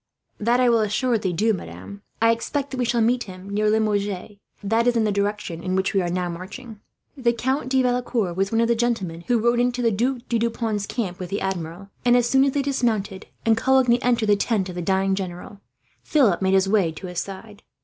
"That I will assuredly do, madam. I expect that we shall meet him near Limoges. That is the direction in which we are now marching." The Count de Valecourt was one of the gentlemen who rode into the Duc do Deux Ponts' camp with the Admiral and, as soon as they dismounted, and Coligny entered the tent of the dying general, Philip made his way to his side.